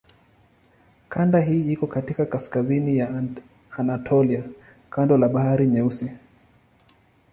Kanda hii iko katika kaskazini ya Anatolia kando la Bahari Nyeusi.